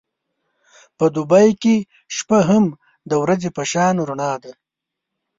په دوبی کې شپه هم د ورځې په شان رڼا ده.